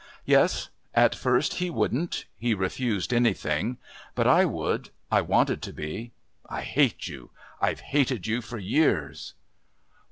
"Yes. At first he wouldn't. He refused anything. But I would.... I wanted to be. I hate you. I've hated you for years."